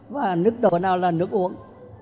và mức độ nào là nước uống